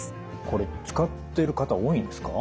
これ使ってる方多いんですか？